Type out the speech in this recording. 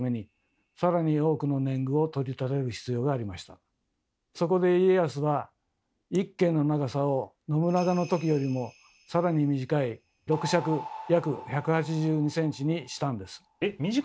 徳川家康はそこで家康は１間の長さを信長のときよりもさらに短い６尺約１８２ｃｍにしたんです。